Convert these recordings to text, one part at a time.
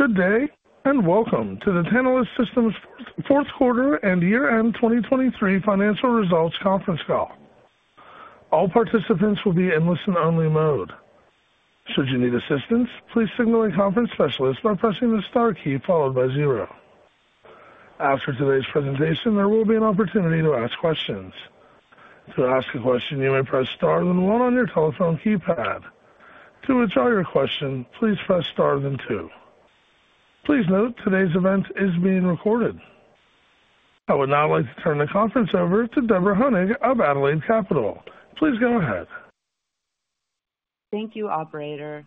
Good day, and welcome to the Tantalus Systems fourth quarter and year-end 2023 financial results conference call. All participants will be in listen-only mode. Should you need assistance, please signal a conference specialist by pressing the star key followed by zero. After today's presentation, there will be an opportunity to ask questions. To ask a question, you may press star then one on your telephone keypad. To withdraw your question, please press star then two. Please note today's event is being recorded. I would now like to turn the conference over to Deborah Honig of Adelaide Capital. Please go ahead. Thank you, operator.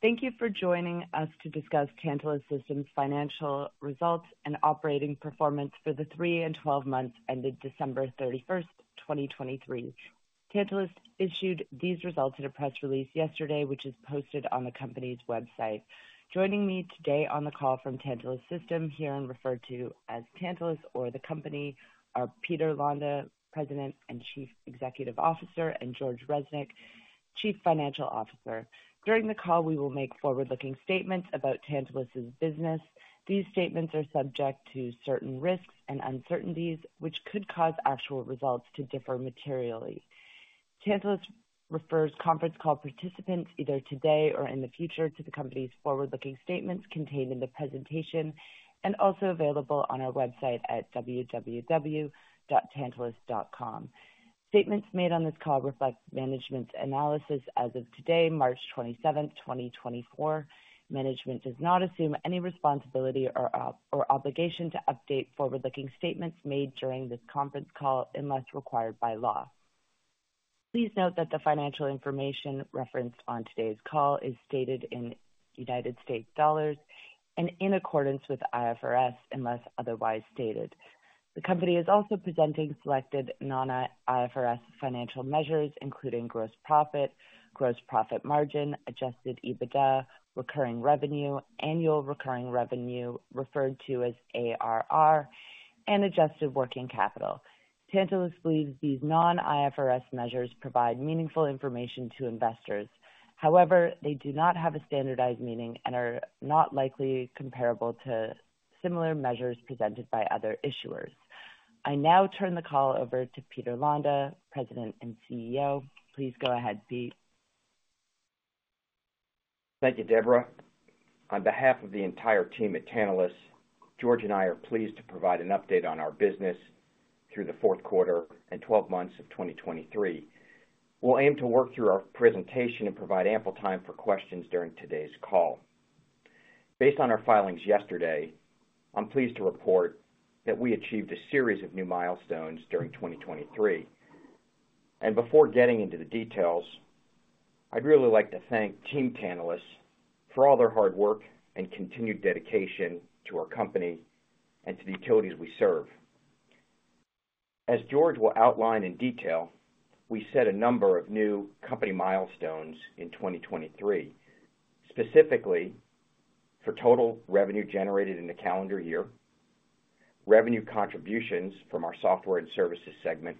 Thank you for joining us to discuss Tantalus Systems' financial results and operating performance for the three and 12 months ended December 31st, 2023. Tantalus issued these results in a press release yesterday, which is posted on the company's website. Joining me today on the call from Tantalus Systems, herein referred to as Tantalus or the company, are Peter Londa, President and Chief Executive Officer, and George Reznik, Chief Financial Officer. During the call, we will make forward-looking statements about Tantalus's business. These statements are subject to certain risks and uncertainties, which could cause actual results to differ materially. Tantalus refers conference call participants, either today or in the future, to the company's forward-looking statements contained in the presentation and also available on our website at www.tantalus.com. Statements made on this call reflect management's analysis as of today, March 27, 2024. Management does not assume any responsibility or obligation to update forward-looking statements made during this conference call unless required by law. Please note that the financial information referenced on today's call is stated in United States dollars and in accordance with IFRS, unless otherwise stated. The company is also presenting selected non-IFRS financial measures, including gross profit, gross profit margin, adjusted EBITDA, recurring revenue, annual recurring revenue referred to as ARR, and adjusted working capital. Tantalus believes these non-IFRS measures provide meaningful information to investors. However, they do not have a standardized meaning and are not likely comparable to similar measures presented by other issuers. I now turn the call over to Peter Londa, President and CEO. Please go ahead, Pete. Thank you, Deborah. On behalf of the entire team at Tantalus, George and I are pleased to provide an update on our business through the fourth quarter and 12 months of 2023. We'll aim to work through our presentation and provide ample time for questions during today's call. Based on our filings yesterday, I'm pleased to report that we achieved a series of new milestones during 2023. Before getting into the details, I'd really like to thank Team Tantalus for all their hard work and continued dedication to our company and to the utilities we serve. As George will outline in detail, we set a number of new company milestones in 2023, specifically for total revenue generated in the calendar year, revenue contributions from our software and services segment,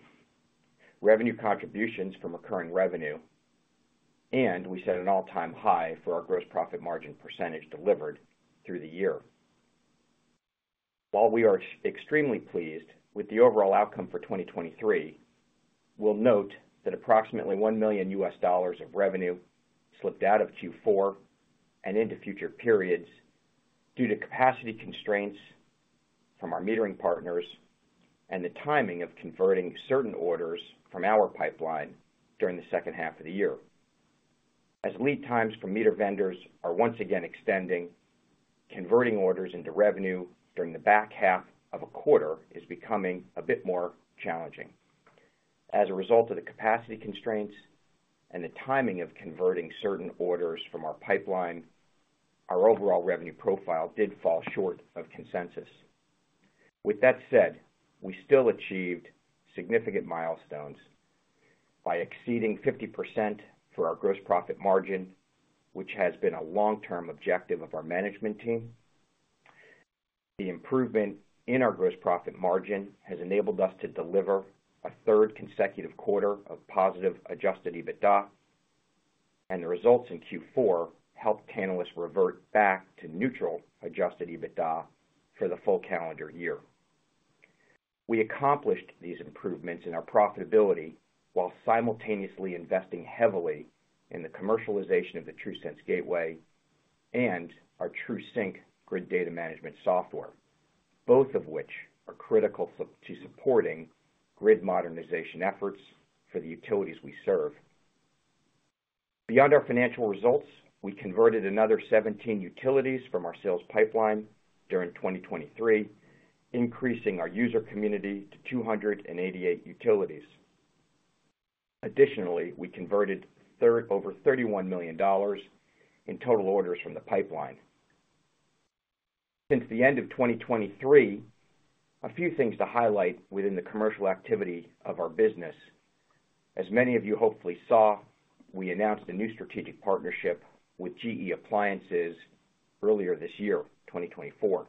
revenue contributions from recurring revenue, and we set an all-time high for our Gross Profit Margin percentage delivered through the year. While we are extremely pleased with the overall outcome for 2023, we'll note that approximately $1 million of revenue slipped out of Q4 and into future periods due to capacity constraints from our metering partners and the timing of converting certain orders from our pipeline during the second half of the year. As lead times for meter vendors are once again extending, converting orders into revenue during the back half of a quarter is becoming a bit more challenging. As a result of the capacity constraints and the timing of converting certain orders from our pipeline, our overall revenue profile did fall short of consensus. With that said, we still achieved significant milestones by exceeding 50% for our gross profit margin, which has been a long-term objective of our management team. The improvement in our gross profit margin has enabled us to deliver a third consecutive quarter of positive Adjusted EBITDA, and the results in Q4 helped Tantalus revert back to neutral Adjusted EBITDA for the full calendar year. We accomplished these improvements in our profitability while simultaneously investing heavily in the commercialization of the TRUSense Gateway and our TRUSync Grid Data Management software, both of which are critical for... to supporting grid modernization efforts for the utilities we serve. Beyond our financial results, we converted another 17 utilities from our sales pipeline during 2023, increasing our user community to 288 utilities. Additionally, we converted over $31 million in total orders from the pipeline. Since the end of 2023, a few things to highlight within the commercial activity of our business. As many of you hopefully saw, we announced a new strategic partnership with GE Appliances earlier this year, 2024.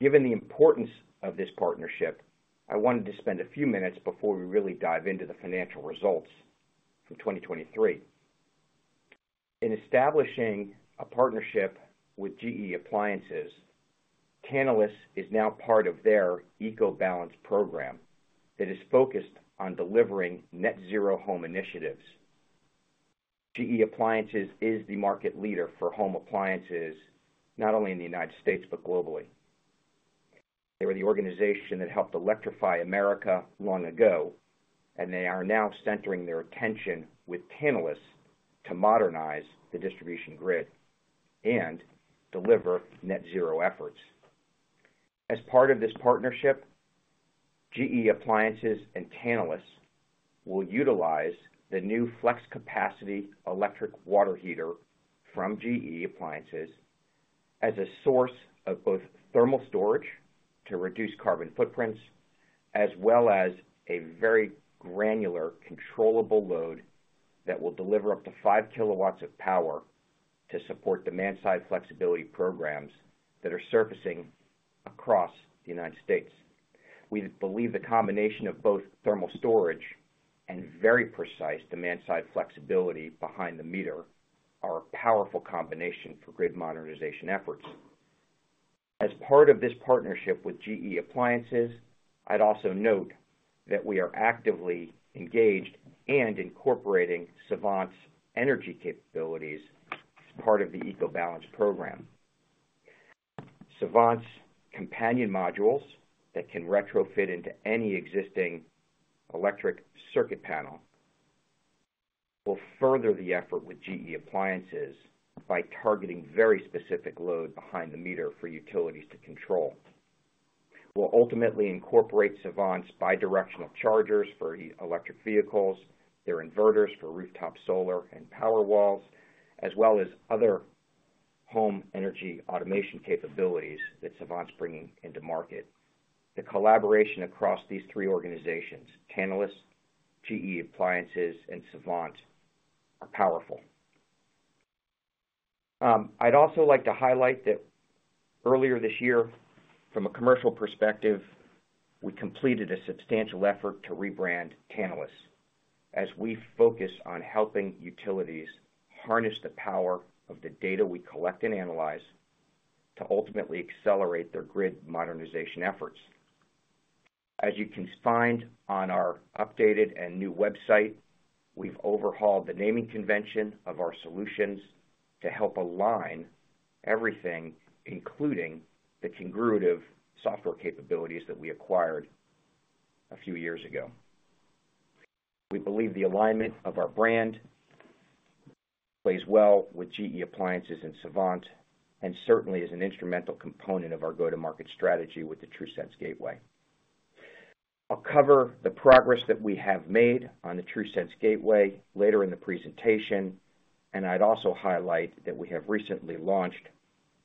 Given the importance of this partnership, I wanted to spend a few minutes before we really dive into the financial results for 2023. In establishing a partnership with GE Appliances, Tantalus is now part of their EcoBalance program that is focused on delivering net zero home initiatives. GE Appliances is the market leader for home appliances, not only in the United States, but globally. They were the organization that helped electrify America long ago, and they are now centering their attention with Tantalus to modernize the distribution grid and deliver net zero efforts. As part of this partnership, GE Appliances and Tantalus will utilize the new flex capacity electric water heater from GE Appliances as a source of both thermal storage to reduce carbon footprints, as well as a very granular, controllable load that will deliver up to 5 kW of power to support demand-side flexibility programs that are surfacing across the United States. We believe the combination of both thermal storage and very precise demand-side flexibility behind the meter are a powerful combination for grid modernization efforts. As part of this partnership with GE Appliances, I'd also note that we are actively engaged and incorporating Savant's energy capabilities as part of the EcoBalance program. Savant's companion modules that can retrofit into any existing electric circuit panel will further the effort with GE Appliances by targeting very specific load behind the meter for utilities to control. We'll ultimately incorporate Savant's bidirectional chargers for electric vehicles, their inverters for rooftop solar and power walls, as well as other home energy automation capabilities that Savant's bringing into market. The collaboration across these three organizations, Tantalus, GE Appliances, and Savant, are powerful. I'd also like to highlight that earlier this year, from a commercial perspective, we completed a substantial effort to rebrand Tantalus, as we focus on helping utilities harness the power of the data we collect and analyze, to ultimately accelerate their grid modernization efforts. As you can find on our updated and new website, we've overhauled the naming convention of our solutions to help align everything, including the Congruitive software capabilities that we acquired a few years ago. We believe the alignment of our brand plays well with GE Appliances and Savant, and certainly is an instrumental component of our go-to-market strategy with the TRUSense Gateway. I'll cover the progress that we have made on the TRUSense Gateway later in the presentation, and I'd also highlight that we have recently launched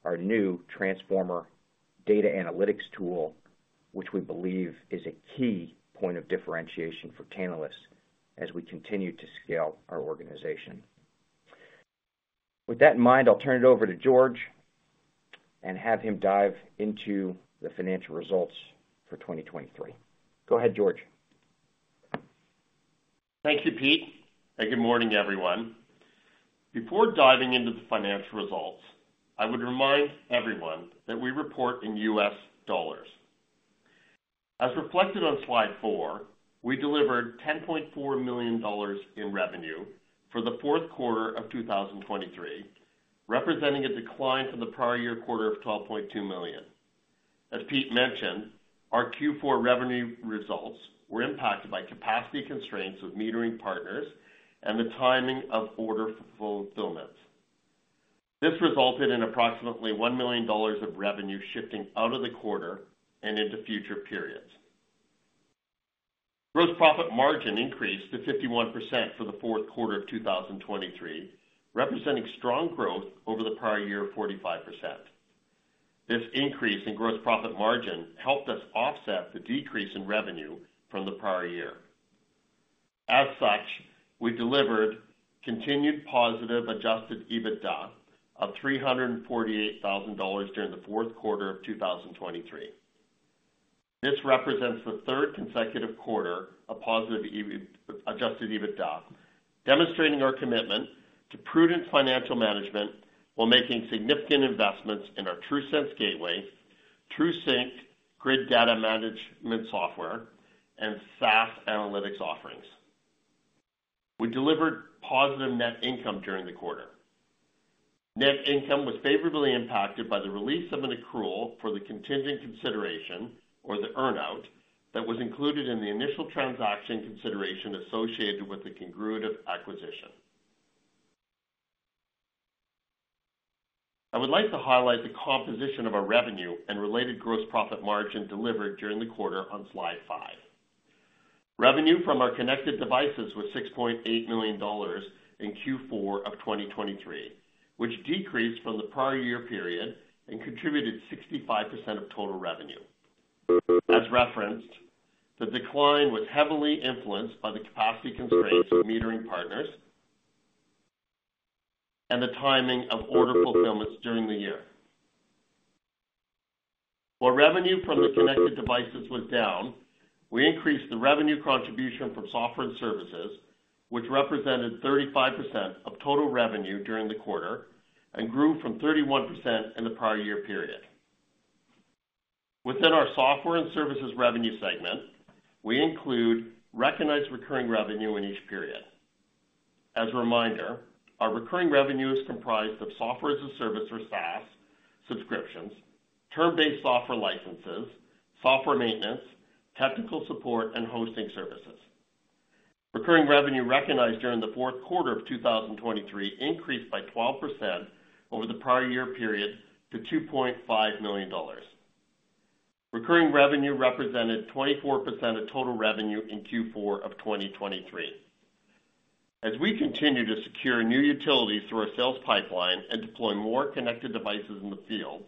our new transformer data analytics tool, which we believe is a key point of differentiation for Tantalus as we continue to scale our organization. With that in mind, I'll turn it over to George and have him dive into the financial results for 2023. Go ahead, George. Thank you, Pete, and good morning, everyone. Before diving into the financial results, I would remind everyone that we report in U.S. dollars. As reflected on slide four, we delivered $10.4 million in revenue for the fourth quarter of 2023, representing a decline from the prior year quarter of $12.2 million. As Pete mentioned, our Q4 revenue results were impacted by capacity constraints with metering partners and the timing of order fulfillment. This resulted in approximately $1 million of revenue shifting out of the quarter and into future periods. Gross profit margin increased to 51% for the fourth quarter of 2023, representing strong growth over the prior year of 45%. This increase in gross profit margin helped us offset the decrease in revenue from the prior year. As such, we delivered continued positive Adjusted EBITDA of $348,000 during the fourth quarter of 2023. This represents the third consecutive quarter of positive Adjusted EBITDA, demonstrating our commitment to prudent financial management while making significant investments in our TRUSense Gateway, TRUSync grid data management software, and SaaS analytics offerings. We delivered positive net income during the quarter. Net income was favorably impacted by the release of an accrual for the contingent consideration, or the earn-out, that was included in the initial transaction consideration associated with the Congruitive acquisition. I would like to highlight the composition of our revenue and related gross profit margin delivered during the quarter on slide five. Revenue from our connected devices was $6.8 million in Q4 of 2023, which decreased from the prior year period and contributed 65% of total revenue. As referenced, the decline was heavily influenced by the capacity constraints of metering partners and the timing of order fulfillments during the year. While revenue from the connected devices was down, we increased the revenue contribution from software and services, which represented 35% of total revenue during the quarter and grew from 31% in the prior year period. Within our software and services revenue segment, we include recognized recurring revenue in each period. As a reminder, our recurring revenue is comprised of software as a service or SaaS subscriptions, term-based software licenses, software maintenance, technical support, and hosting services. Recurring revenue recognized during the fourth quarter of 2023 increased by 12% over the prior year period to $2.5 million. Recurring revenue represented 24% of total revenue in Q4 of 2023. As we continue to secure new utilities through our sales pipeline and deploy more connected devices in the field,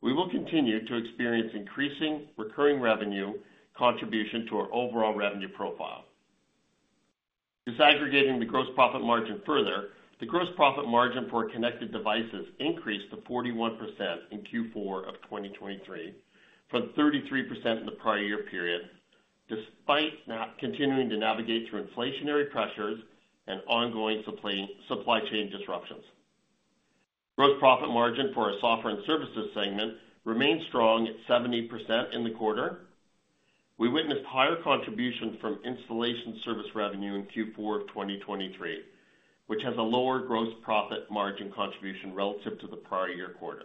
we will continue to experience increasing recurring revenue contribution to our overall revenue profile. Disaggregating the gross profit margin further, the gross profit margin for our connected devices increased to 41% in Q4 of 2023 from 33% in the prior year period, despite not continuing to navigate through inflationary pressures and ongoing supply chain disruptions. Gross profit margin for our software and services segment remained strong at 70% in the quarter. We witnessed higher contributions from installation service revenue in Q4 of 2023, which has a lower gross profit margin contribution relative to the prior year quarter.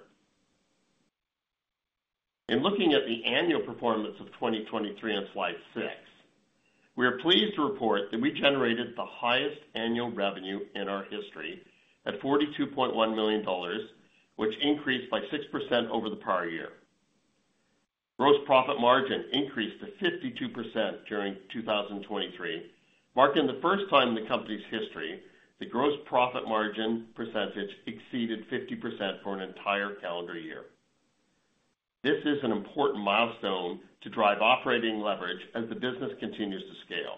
In looking at the annual performance of 2023 on slide six, we are pleased to report that we generated the highest annual revenue in our history at $42.1 million, which increased by 6% over the prior year. Gross profit margin increased to 52% during 2023, marking the first time in the company's history the gross profit margin percentage exceeded 50% for an entire calendar year. This is an important milestone to drive operating leverage as the business continues to scale.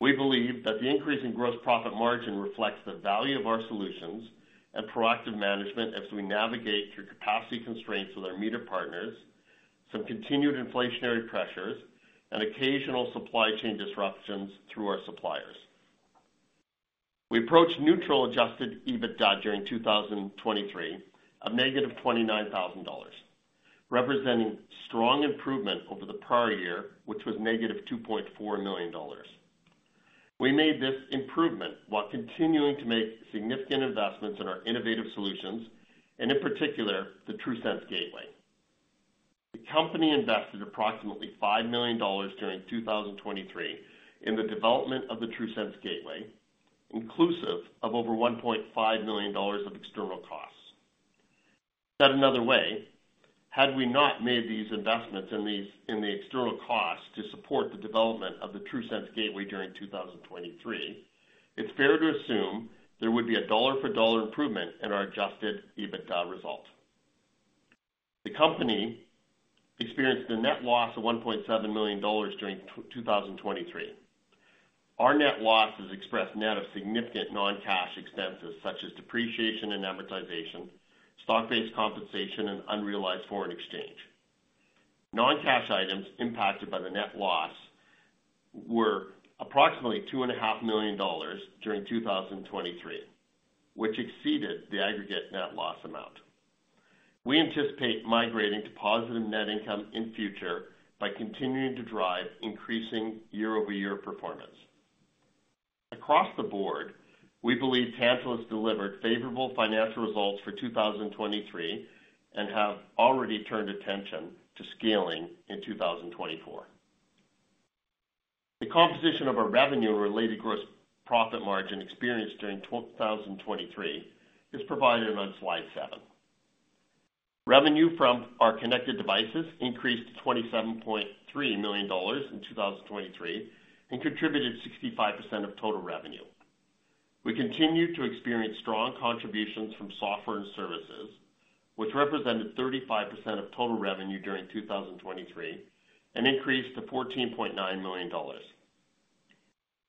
We believe that the increase in gross profit margin reflects the value of our solutions and proactive management as we navigate through capacity constraints with our meter partners, some continued inflationary pressures, and occasional supply chain disruptions through our suppliers. We approached neutral Adjusted EBITDA during 2023, a -$29,000, representing strong improvement over the prior year, which was -$2.4 million. We made this improvement while continuing to make significant investments in our innovative solutions, and in particular, the TRUSense Gateway. The company invested approximately $5 million during 2023 in the development of the TRUSense Gateway, inclusive of over $1.5 million of external costs. Said another way, had we not made these investments in the external costs to support the development of the TRUSense Gateway during 2023, it's fair to assume there would be a dollar for dollar improvement in our Adjusted EBITDA result. The company experienced a net loss of $1.7 million during 2023. Our net loss is expressed net of significant non-cash expenses such as depreciation and amortization, stock-based compensation, and unrealized foreign exchange. Non-cash items impacted by the net loss were approximately $2.5 million during 2023, which exceeded the aggregate net loss amount. We anticipate migrating to positive net income in future by continuing to drive increasing year-over-year performance. Across the board, we believe Tantalus delivered favorable financial results for 2023 and have already turned attention to scaling in 2024. The composition of our revenue-related gross profit margin experienced during 2023 is provided on slide seven. Revenue from our connected devices increased to $27.3 million in 2023 and contributed 65% of total revenue. We continued to experience strong contributions from software and services, which represented 35% of total revenue during 2023, an increase to $14.9 million.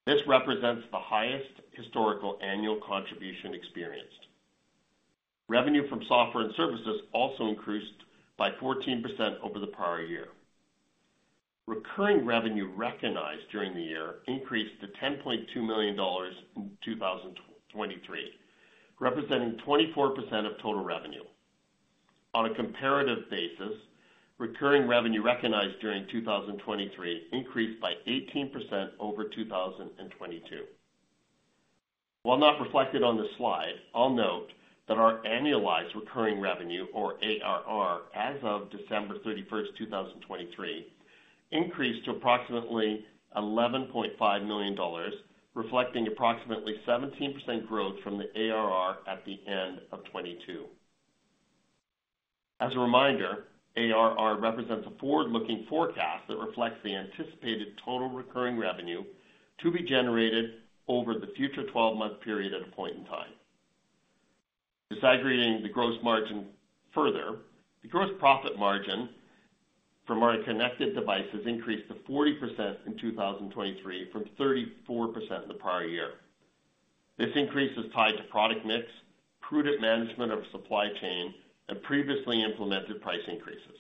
This represents the highest historical annual contribution experienced. Revenue from software and services also increased by 14% over the prior year. Recurring revenue recognized during the year increased to $10.2 million in 2023, representing 24% of total revenue. On a comparative basis, recurring revenue recognized during 2023 increased by 18% over 2022. While not reflected on this slide, I'll note that our annualized recurring revenue or ARR as of December 31st, 2023, increased to approximately $11.5 million, reflecting approximately 17% growth from the ARR at the end of 2022. As a reminder, ARR represents a forward-looking forecast that reflects the anticipated total recurring revenue to be generated over the future 12-month period at a point in time. Disaggregating the gross margin further, the gross profit margin from our connected devices increased to 40% in 2023 from 34% in the prior year. This increase is tied to product mix, prudent management of supply chain, and previously implemented price increases.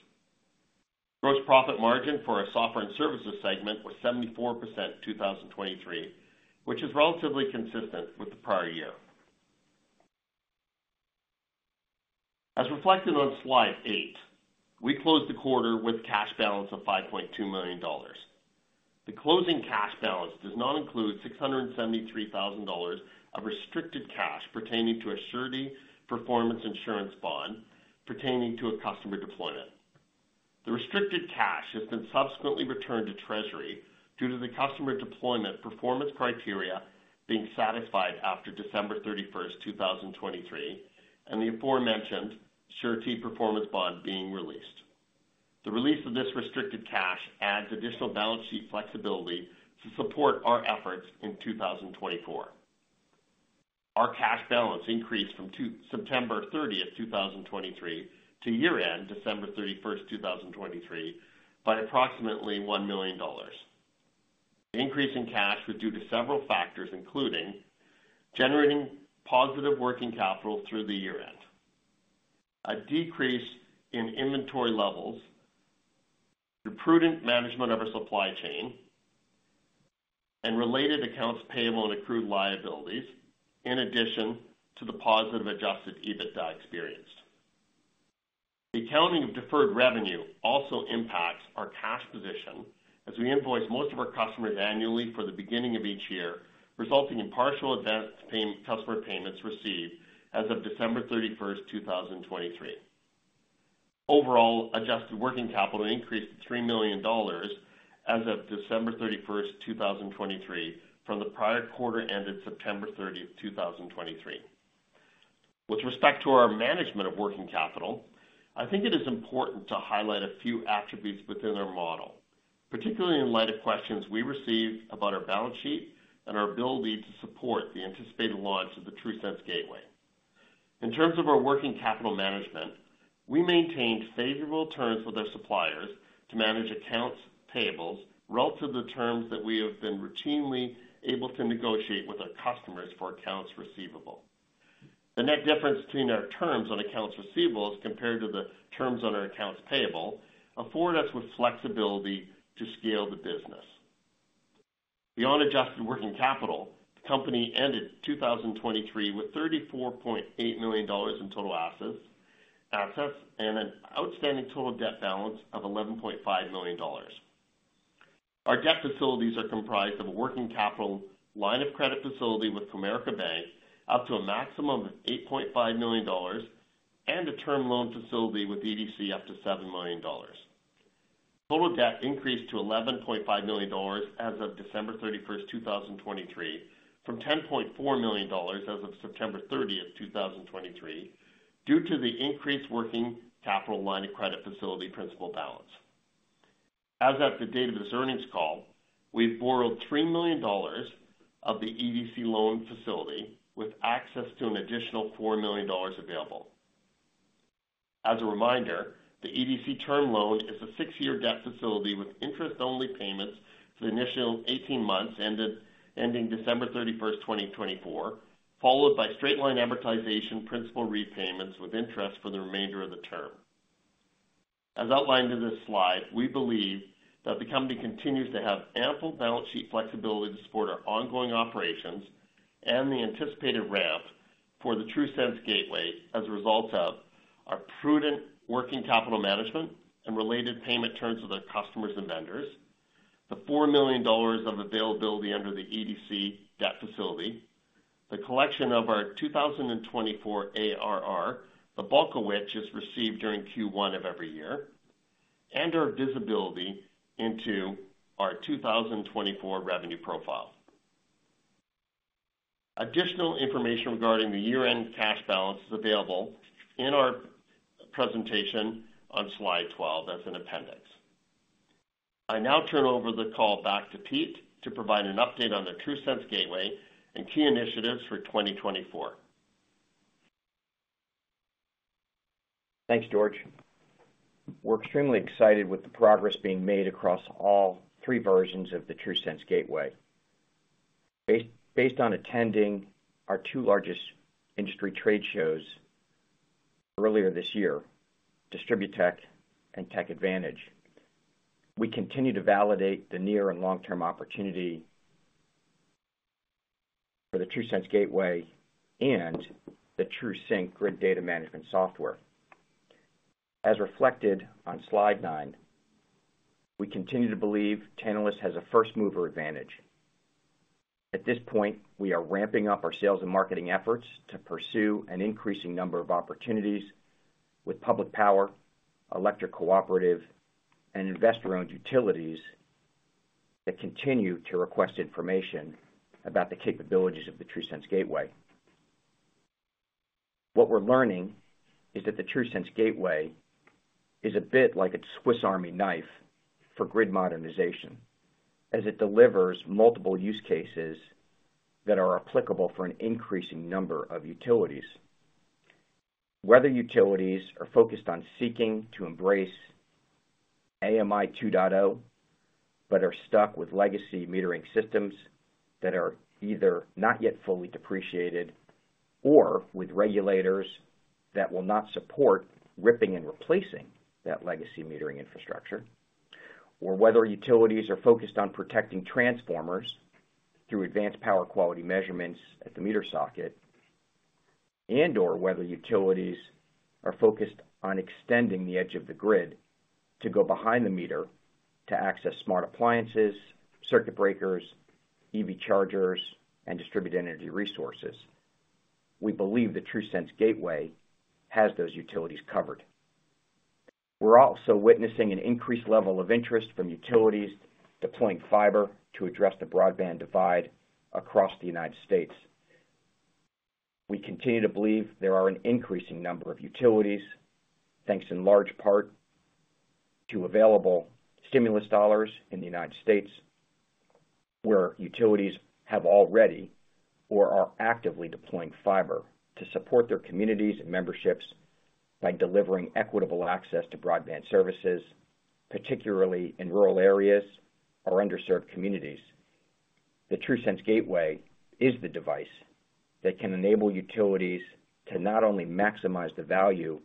Gross profit margin for our software and services segment was 74% in 2023, which is relatively consistent with the prior year. As reflected on Slide eight, we closed the quarter with a cash balance of $5.2 million. The closing cash balance does not include $673,000 of restricted cash pertaining to a surety performance insurance bond pertaining to a customer deployment. The restricted cash has been subsequently returned to Treasury due to the customer deployment performance criteria being satisfied after December 31st, 2023, and the aforementioned surety performance bond being released. The release of this restricted cash adds additional balance sheet flexibility to support our efforts in 2024. Our cash balance increased from September 30th, 2023, to year-end, December 31st, 2023, by approximately $1 million. The increase in cash was due to several factors, including generating positive working capital through the year-end, a decrease in inventory levels, the prudent management of our supply chain, and related accounts payable and accrued liabilities, in addition to the positive Adjusted EBITDA experienced. The accounting of deferred revenue also impacts our cash position as we invoice most of our customers annually for the beginning of each year, resulting in partial advanced payment, customer payments received as of December 31st, 2023. Overall, adjusted working capital increased to $3 million as of December 31st, 2023, from the prior quarter ended September 30, 2023. With respect to our management of working capital, I think it is important to highlight a few attributes within our model, particularly in light of questions we received about our balance sheet and our ability to support the anticipated launch of the TRUSense Gateway. In terms of our working capital management, we maintained favorable terms with our suppliers to manage accounts payables relative to the terms that we have been routinely able to negotiate with our customers for accounts receivable. The net difference between our terms on accounts receivables compared to the terms on our accounts payable, afford us with flexibility to scale the business. Beyond adjusted working capital, the company ended 2023 with $34.8 million in total assets, assets, and an outstanding total debt balance of $11.5 million. Our debt facilities are comprised of a working capital line of credit facility with Comerica Bank, up to a maximum of $8.5 million, and a term loan facility with EDC up to $7 million. Total debt increased to $11.5 million as of December 31st, 2023, from $10.4 million as of September 30th, 2023, due to the increased working capital line of credit facility principal balance. As of the date of this earnings call, we've borrowed $3 million of the EDC loan facility, with access to an additional $4 million available. As a reminder, the EDC term loan is a six-year debt facility with interest-only payments for the initial 18 months ending December 31st, 2024, followed by straight-line amortization principal repayments with interest for the remainder of the term. As outlined in this slide, we believe that the company continues to have ample balance sheet flexibility to support our ongoing operations and the anticipated ramp for the TRUSense Gateway as a result of our prudent working capital management and related payment terms with our customers and vendors, the $4 million of availability under the EDC debt facility, the collection of our 2024 ARR, the bulk of which is received during Q1 of every year, and our visibility into our 2024 revenue profile. Additional information regarding the year-end cash balance is available in our presentation on Slide 12 as an appendix. I now turn over the call back to Pete to provide an update on the TRUSense Gateway and key initiatives for 2024. Thanks, George. We're extremely excited with the progress being made across all three versions of the TRUSense Gateway. Based on attending our two largest industry trade shows earlier this year, DistribuTECH and TechAdvantage, we continue to validate the near and long-term opportunity for the TRUSense Gateway and the TRUSync Grid Data Management software. As reflected on Slide nine, we continue to believe Tantalus has a first-mover advantage. At this point, we are ramping up our sales and marketing efforts to pursue an increasing number of opportunities with public power, electric cooperative, and investor-owned utilities that continue to request information about the capabilities of the TRUSense Gateway. What we're learning is that the TRUSense Gateway is a bit like a Swiss Army knife for grid modernization, as it delivers multiple use cases that are applicable for an increasing number of utilities.... Whether utilities are focused on seeking to embrace AMI 2.0, but are stuck with legacy metering systems that are either not yet fully depreciated, or with regulators that will not support ripping and replacing that legacy metering infrastructure, or whether utilities are focused on protecting transformers through advanced power quality measurements at the meter socket, and/or whether utilities are focused on extending the edge of the grid to go behind the meter to access smart appliances, circuit breakers, EV chargers, and distributed energy resources. We believe the TRUSense Gateway has those utilities covered. We're also witnessing an increased level of interest from utilities deploying fiber to address the broadband divide across the United States. We continue to believe there are an increasing number of utilities, thanks in large part to available stimulus dollars in the United States, where utilities have already or are actively deploying fiber to support their communities and memberships by delivering equitable access to broadband services, particularly in rural areas or underserved communities. The TRUSense Gateway is the device that can enable utilities to not only maximize the value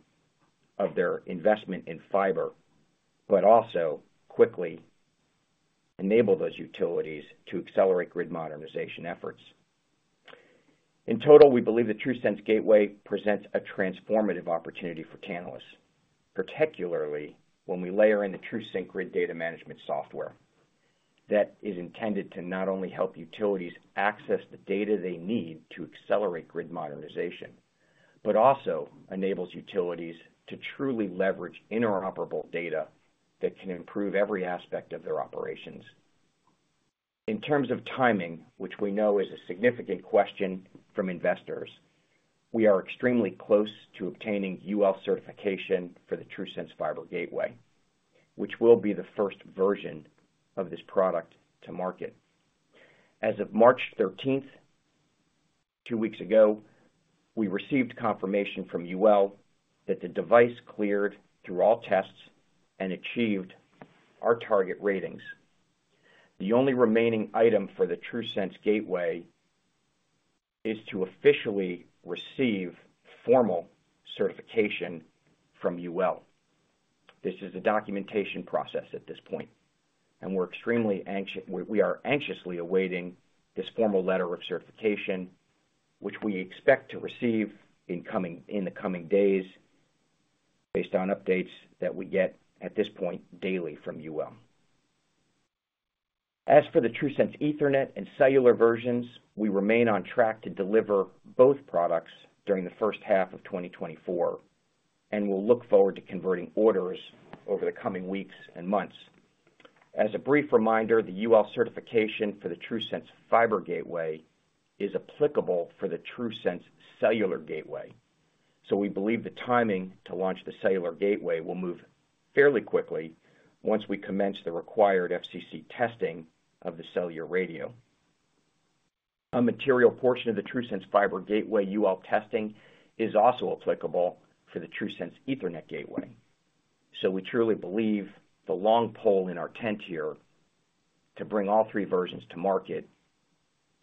of their investment in fiber, but also quickly enable those utilities to accelerate grid modernization efforts. In total, we believe the TRUSense Gateway presents a transformative opportunity for Tantalus, particularly when we layer in the TRUSync Grid Data Management software. That is intended to not only help utilities access the data they need to accelerate grid modernization, but also enables utilities to truly leverage interoperable data that can improve every aspect of their operations. In terms of timing, which we know is a significant question from investors, we are extremely close to obtaining UL certification for the TRUSense Fiber Gateway, which will be the first version of this product to market. As of March 13th, two weeks ago, we received confirmation from UL that the device cleared through all tests and achieved our target ratings. The only remaining item for the TRUSense Fiber Gateway is to officially receive formal certification from UL. This is a documentation process at this point, and we're extremely anxious, we are anxiously awaiting this formal letter of certification, which we expect to receive in the coming days, based on updates that we get, at this point, daily from UL. As for the TRUSense Ethernet and cellular versions, we remain on track to deliver both products during the first half of 2024, and we'll look forward to converting orders over the coming weeks and months. As a brief reminder, the UL certification for the TRUSense Fiber Gateway is applicable for the TRUSense Cellular Gateway, so we believe the timing to launch the cellular gateway will move fairly quickly once we commence the required FCC testing of the cellular radio. A material portion of the TRUSense Fiber Gateway UL testing is also applicable for the TRUSense Ethernet Gateway. So we truly believe the long pole in our tent here to bring all three versions to market,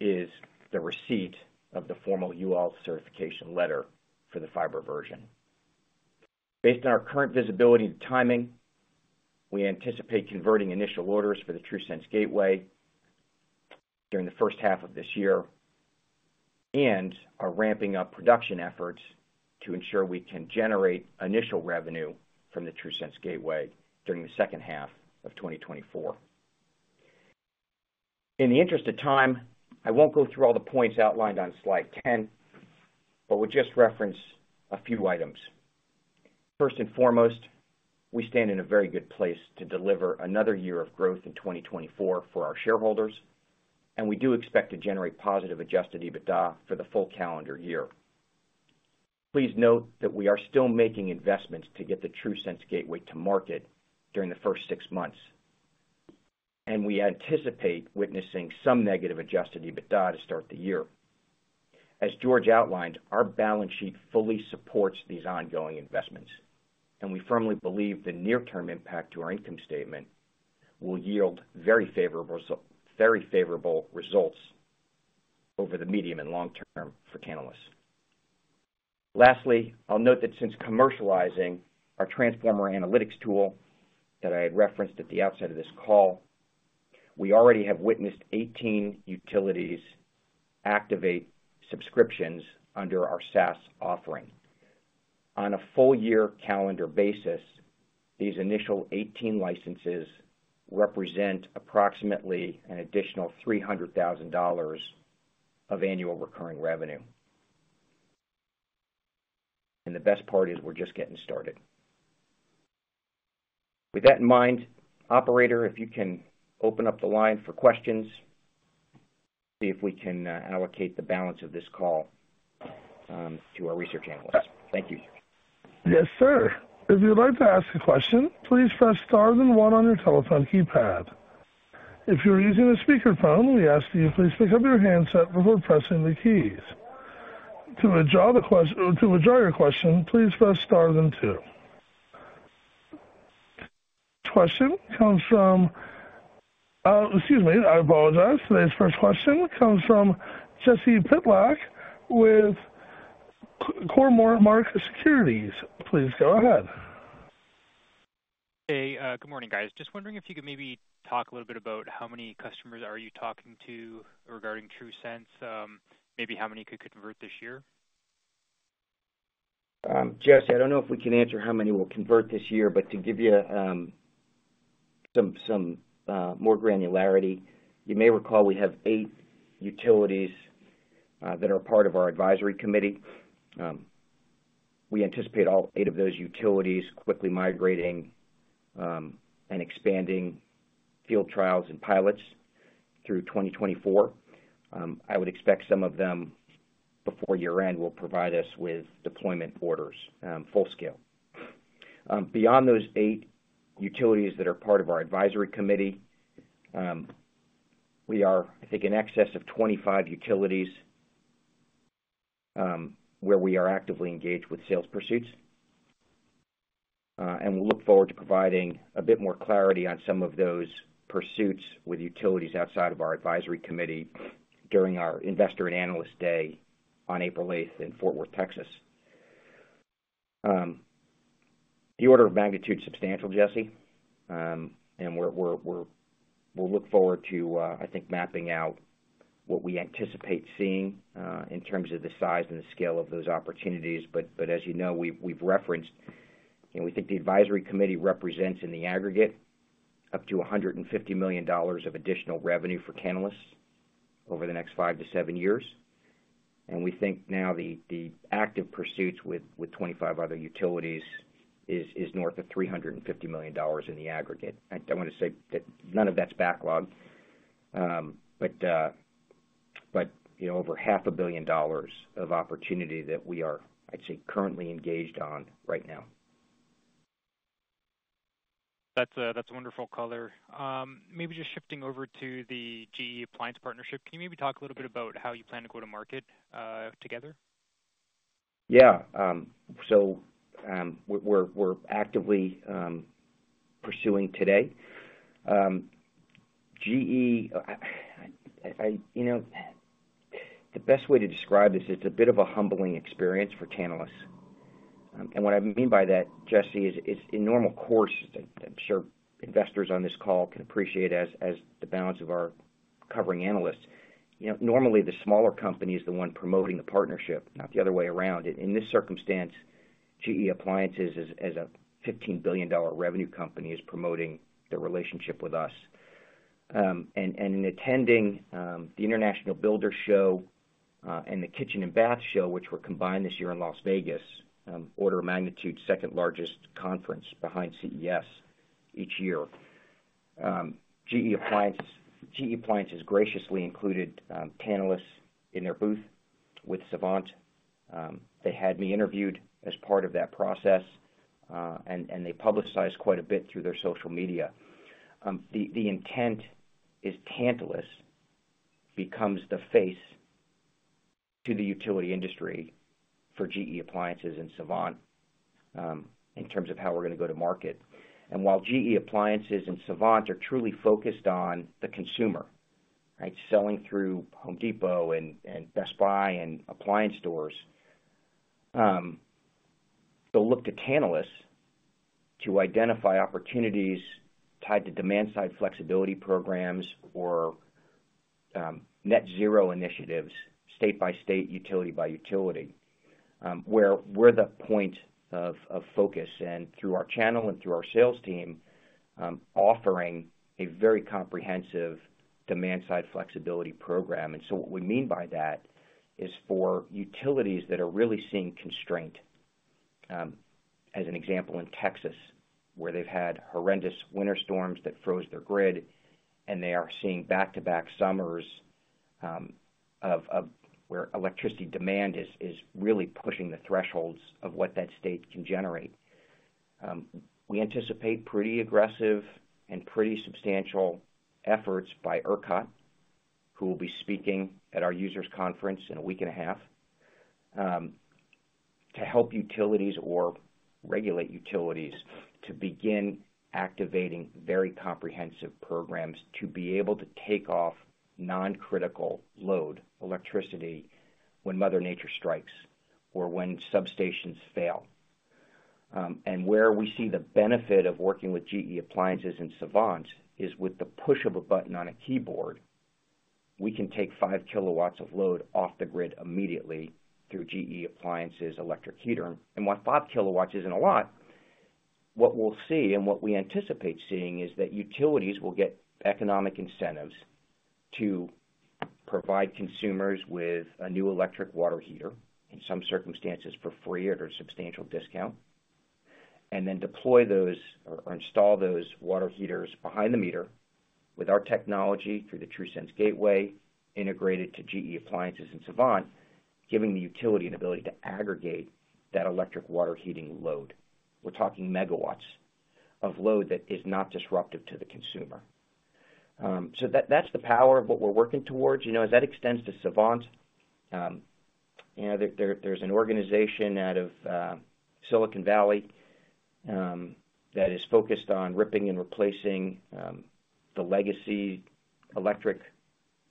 is the receipt of the formal UL certification letter for the fiber version. Based on our current visibility and timing, we anticipate converting initial orders for the TRUSense Gateway during the first half of this year, and are ramping up production efforts to ensure we can generate initial revenue from the TRUSense Gateway during the second half of 2024. In the interest of time, I won't go through all the points outlined on slide 10, but we'll just reference a few items. First and foremost, we stand in a very good place to deliver another year of growth in 2024 for our shareholders, and we do expect to generate positive adjusted EBITDA for the full calendar year. Please note that we are still making investments to get the TRUSense Gateway to market during the first six months, and we anticipate witnessing some negative adjusted EBITDA to start the year. As George outlined, our balance sheet fully supports these ongoing investments, and we firmly believe the near-term impact to our income statement will yield very favorable results over the medium and long term for Tantalus. Lastly, I'll note that since commercializing our transformer analytics tool that I had referenced at the outset of this call, we already have witnessed 18 utilities activate subscriptions under our SaaS offering. On a full year calendar basis, these initial 18 licenses represent approximately an additional $300,000 of annual recurring revenue. And the best part is, we're just getting started. With that in mind, operator, if you can open up the line for questions, see if we can allocate the balance of this call to our research analysts. Thank you. Yes, sir. If you'd like to ask a question, please press star then one on your telephone keypad. If you're using a speakerphone, we ask that you please pick up your handset before pressing the keys. To withdraw your question, please press star then two. Question comes from, excuse me, I apologize. Today's first question comes from Jesse Pytlak with Cormark Securities. Please go ahead. Hey, good morning, guys. Just wondering if you could maybe talk a little bit about how many customers are you talking to regarding TRUSense, maybe how many could convert this year? Jesse, I don't know if we can answer how many will convert this year, but to give you some more granularity, you may recall we have eight utilities that are part of our advisory committee. We anticipate all eight of those utilities quickly migrating and expanding field trials and pilots through 2024. I would expect some of them, before year-end, will provide us with deployment orders full scale. Beyond those eight utilities that are part of our advisory committee, we are, I think, in excess of 25 utilities where we are actively engaged with sales pursuits. And we look forward to providing a bit more clarity on some of those pursuits with utilities outside of our advisory committee during our Investor and Analyst Day on April 8, in Fort Worth, Texas. The order of magnitude is substantial, Jesse. And we're, we'll look forward to, I think, mapping out what we anticipate seeing, in terms of the size and the scale of those opportunities. But as you know, we've referenced, and we think the advisory committee represents, in the aggregate, up to $150 million of additional revenue for Tantalus over the next five to seven years. And we think now the active pursuits with 25 other utilities is north of $350 million in the aggregate. I want to say that none of that's backlog. But, you know, over $500 million of opportunity that we are, I'd say, currently engaged on right now. That's a wonderful color. Maybe just shifting over to the GE Appliances partnership. Can you maybe talk a little bit about how you plan to go to market together? Yeah. So, we're actively pursuing today. GE, I... You know, the best way to describe this, it's a bit of a humbling experience for Tantalus. And what I mean by that, Jesse, is in normal course, I'm sure investors on this call can appreciate as the balance of our covering analysts. You know, normally, the smaller company is the one promoting the partnership, not the other way around. In this circumstance, GE Appliances, as a $15 billion revenue company, is promoting their relationship with us. And in attending the International Builders' Show and the Kitchen and Bath Show, which were combined this year in Las Vegas, order of magnitude, second-largest conference behind CES each year. GE Appliances, GE Appliances graciously included Tantalus in their booth with Savant. They had me interviewed as part of that process, and they publicized quite a bit through their social media. The intent is Tantalus becomes the face to the utility industry for GE Appliances and Savant, in terms of how we're gonna go to market. While GE Appliances and Savant are truly focused on the consumer, right? Selling through Home Depot and Best Buy, and appliance stores. They'll look to Tantalus to identify opportunities tied to demand-side flexibility programs or net zero initiatives, state by state, utility by utility, where we're the point of focus, and through our channel and through our sales team, offering a very comprehensive demand-side flexibility program. And so what we mean by that is for utilities that are really seeing constraint, as an example, in Texas, where they've had horrendous winter storms that froze their grid, and they are seeing back-to-back summers, of where electricity demand is really pushing the thresholds of what that state can generate. We anticipate pretty aggressive and pretty substantial efforts by ERCOT, who will be speaking at our users' conference in a week and a half, to help utilities or regulate utilities to begin activating very comprehensive programs to be able to take off non-critical load electricity when Mother Nature strikes or when substations fail. And where we see the benefit of working with GE Appliances and Savant is with the push of a button on a keyboard, we can take 5 kW of load off the grid immediately through GE Appliances's electric heater. And while 5 kilowatts isn't a lot, what we'll see and what we anticipate seeing is that utilities will get economic incentives to provide consumers with a new electric water heater, in some circumstances for free or a substantial discount, and then deploy those or install those water heaters behind the meter with our technology, through the TRUSense Gateway, integrated to GE Appliances and Savant, giving the utility an ability to aggregate that electric water heating load. We're talking megawatts of load that is not disruptive to the consumer. So that, that's the power of what we're working towards. You know, that extends to Savant. You know, there's an organization out of Silicon Valley that is focused on ripping and replacing the legacy electric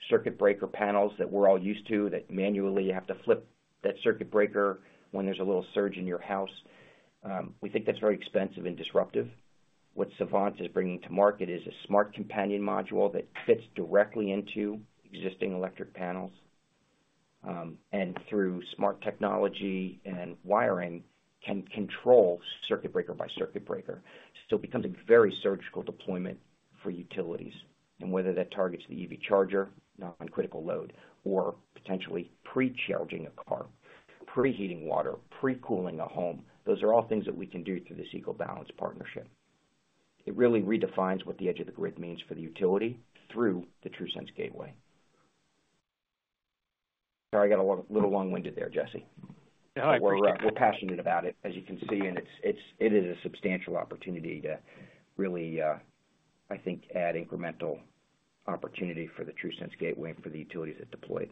circuit breaker panels that we're all used to, that manually you have to flip that circuit breaker when there's a little surge in your house. We think that's very expensive and disruptive. What Savant is bringing to market is a smart companion module that fits directly into existing electric panels and through smart technology and wiring, can control circuit breaker by circuit breaker. So it becomes a very surgical deployment for utilities. And whether that targets the EV charger, non-critical load, or potentially pre-charging a car, preheating water, pre-cooling a home, those are all things that we can do through this EcoBalance partnership. It really redefines what the edge of the grid means for the utility through the TRUSense Gateway. Sorry, I got a little long-winded there, Jesse. No, I appreciate that. We're passionate about it, as you can see, and it is a substantial opportunity to really, I think, add incremental opportunity for the TRUSense Gateway and for the utilities that deploy it.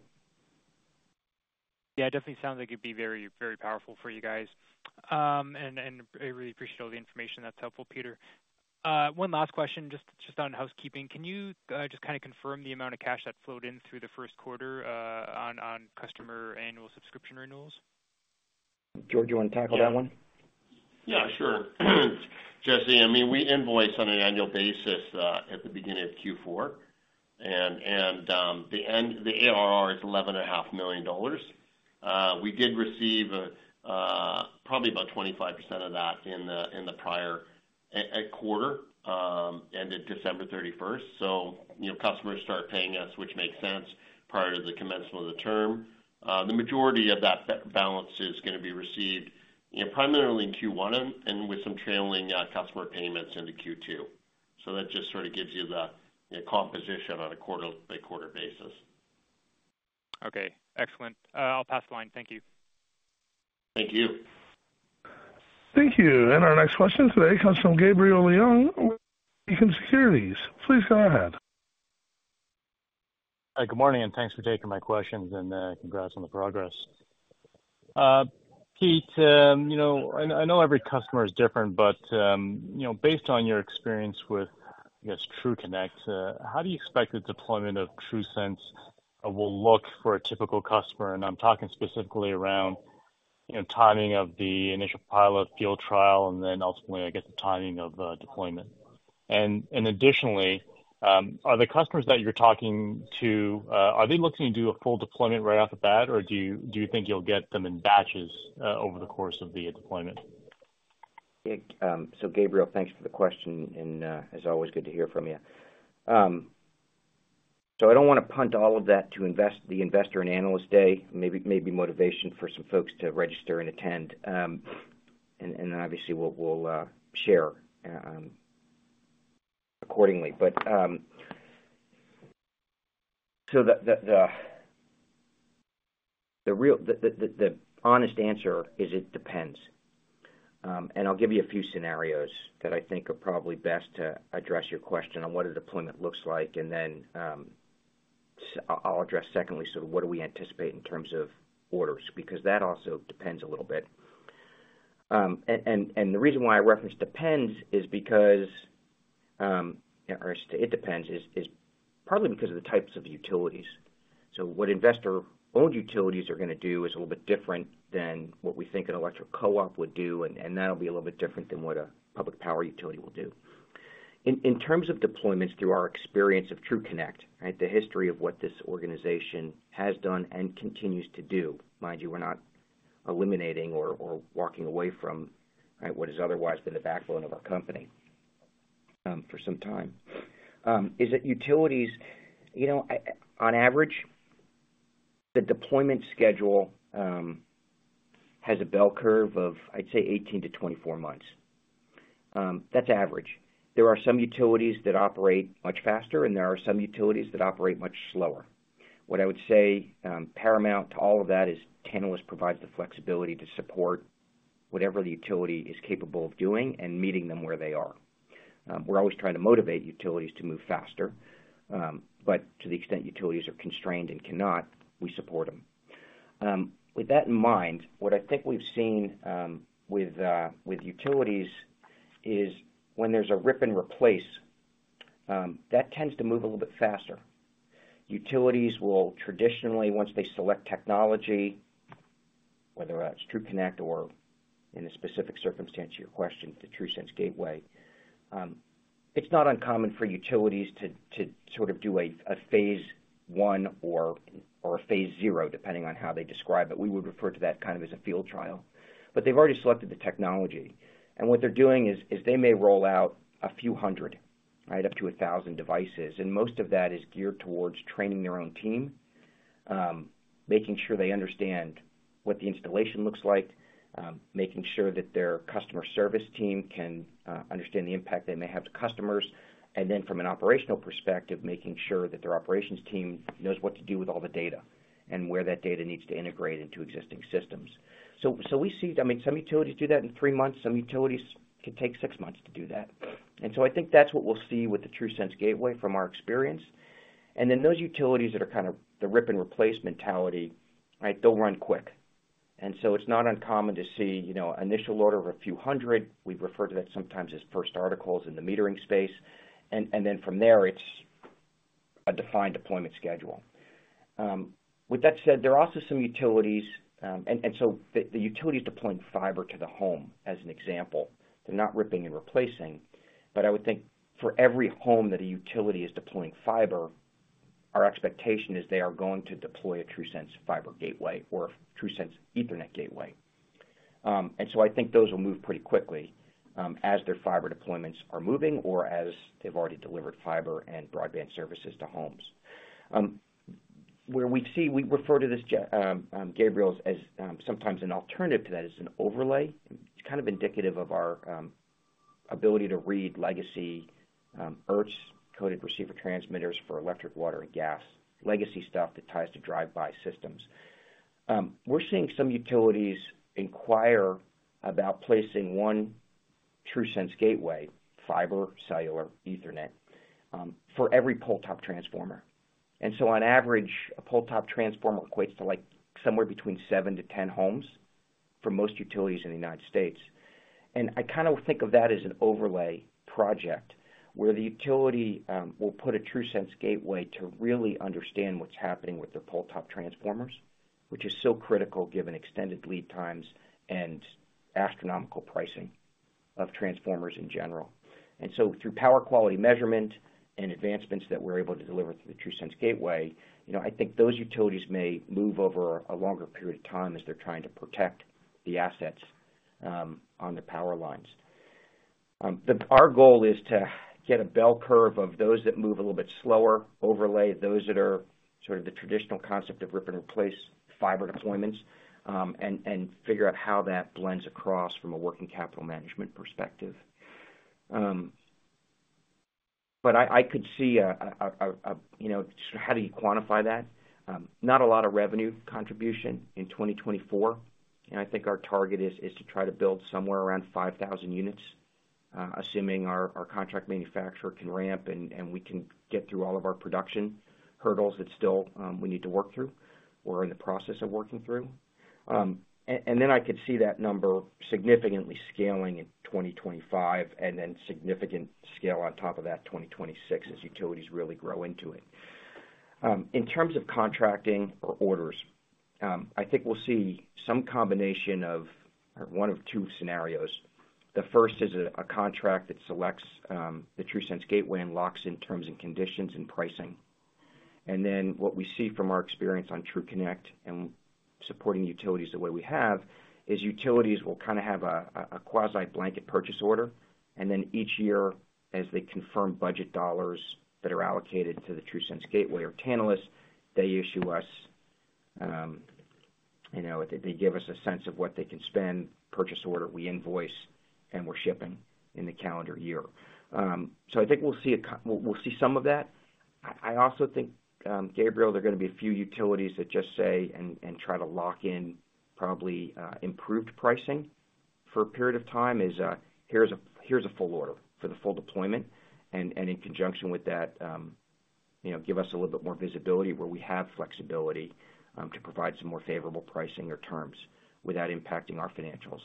Yeah, it definitely sounds like it'd be very, very powerful for you guys. And I really appreciate all the information. That's helpful, Peter. One last question, just on housekeeping. Can you just kind of confirm the amount of cash that flowed in through the first quarter on customer annual subscription renewals? George, you want to tackle that one? Yeah, sure. Jesse, I mean, we invoice on an annual basis at the beginning of Q4, and the ARR is $11.5 million. We did receive probably about 25% of that in the prior quarter ended December 31st. So, you know, customers start paying us, which makes sense, prior to the commencement of the term. The majority of that balance is gonna be received, you know, primarily in Q1 and with some trailing customer payments into Q2. So that just sort of gives you the composition on a quarter-by-quarter basis. Okay, excellent. I'll pass the line. Thank you. Thank you. Thank you. And our next question today comes from Gabriel Leung, Beacon Securities. Please go ahead. Hi, good morning, and thanks for taking my questions, and congrats on the progress. Pete, you know, I know every customer is different, but you know, based on your experience with, I guess, TUNet, how do you expect the deployment of TRUSense will look for a typical customer? I'm talking specifically around, you know, timing of the initial pilot field trial, and then ultimately, I guess, the timing of deployment. Additionally, are the customers that you're talking to looking to do a full deployment right off the bat, or do you think you'll get them in batches over the course of the deployment? So Gabriel, thanks for the question, and, as always, good to hear from you. So I don't want to punt all of that to the investor and analyst day. Maybe, maybe motivation for some folks to register and attend. And, obviously, we'll share accordingly. But, so the real, the honest answer is, it depends. And I'll give you a few scenarios that I think are probably best to address your question on what a deployment looks like, and then, I'll address secondly, so what do we anticipate in terms of orders? Because that also depends a little bit. And the reason why I reference depends is because, or it depends is partly because of the types of utilities. So what investor-owned utilities are gonna do is a little bit different than what we think an electric co-op would do, and that'll be a little bit different than what a public power utility will do. In terms of deployments, through our experience of TUNet, right? The history of what this organization has done and continues to do, mind you, we're not eliminating or walking away from, right, what has otherwise been the backbone of our company for some time. You know, on average, the deployment schedule has a bell curve of, I'd say, 18 months-24 months. That's average. There are some utilities that operate much faster, and there are some utilities that operate much slower. What I would say, paramount to all of that is, Tantalus provides the flexibility to support whatever the utility is capable of doing and meeting them where they are. We're always trying to motivate utilities to move faster, but to the extent utilities are constrained and cannot, we support them. With that in mind, what I think we've seen with utilities is when there's a rip and replace, that tends to move a little bit faster. Utilities will traditionally, once they select technology, whether it's TUNet or in a specific circumstance to your question, the TRUSense gateway, it's not uncommon for utilities to sort of do a phase one or a phase zero, depending on how they describe it. We would refer to that kind of as a field trial. But they've already selected the technology, and what they're doing is, is they may roll out a few 100, right, up to 1,000 devices, and most of that is geared towards training their own team, making sure they understand what the installation looks like, making sure that their customer service team can understand the impact they may have to customers. And then from an operational perspective, making sure that their operations team knows what to do with all the data and where that data needs to integrate into existing systems. So, so we see, I mean, some utilities do that in three months, some utilities could take six months to do that. And so I think that's what we'll see with the TRUSense Gateway from our experience. And then those utilities that are kind of the rip-and-replace mentality, right, they'll run quick. And so it's not uncommon to see, you know, initial order of a few 100. We've referred to that sometimes as first articles in the metering space. And then from there, it's a defined deployment schedule. With that said, there are also some utilities, and so the utilities deploying fiber to the home, as an example, they're not ripping and replacing. But I would think for every home that a utility is deploying fiber, our expectation is they are going to deploy a TRUSense fiber gateway or a TRUSense Ethernet gateway. And so I think those will move pretty quickly, as their fiber deployments are moving or as they've already delivered fiber and broadband services to homes. Where we see, we refer to this, Gabriel, as sometimes an alternative to that is an overlay. It's kind of indicative of our ability to read legacy ERTs, encoder receiver transmitters for electric, water, and gas, legacy stuff that ties to drive-by systems. We're seeing some utilities inquire about placing one TRUSense Gateway, Fiber, Cellular, Ethernet, for every pole top transformer. And so on average, a pole top transformer equates to, like, somewhere between 7 homes-10 homes for most utilities in the United States. And I kind of think of that as an overlay project, where the utility will put a TRUSense Gateway to really understand what's happening with their pole top transformers, which is so critical given extended lead times and astronomical pricing of transformers in general. Through power quality measurement and advancements that we're able to deliver through the TRUSense Gateway, you know, I think those utilities may move over a longer period of time as they're trying to protect the assets on the power lines. Our goal is to get a bell curve of those that move a little bit slower, overlay those that are sort of the traditional concept of rip and replace fiber deployments, and figure out how that blends across from a working capital management perspective. But I could see a, you know, so how do you quantify that? Not a lot of revenue contribution in 2024, and I think our target is to try to build somewhere around 5,000 units, assuming our contract manufacturer can ramp and we can get through all of our production hurdles that still we need to work through or in the process of working through. And then I could see that number significantly scaling in 2025 and then significant scale on top of that, 2026, as utilities really grow into it. In terms of contracting or orders, I think we'll see some combination of one of two scenarios. The first is a contract that selects the TRUSense Gateway and locks in terms and conditions and pricing. And then what we see from our experience on TUNet and supporting utilities the way we have, is utilities will kind of have a quasi blanket purchase order, and then each year, as they confirm budget dollars that are allocated to the TRUSense Gateway or Tantalus, they issue us, you know, they give us a sense of what they can spend, purchase order, we invoice, and we're shipping in the calendar year. So I think we'll see some of that. I also think, Gabriel, there are gonna be a few utilities that just say and try to lock in probably improved pricing for a period of time. Here's a full order for the full deployment, and in conjunction with that, you know, give us a little bit more visibility where we have flexibility to provide some more favorable pricing or terms without impacting our financials.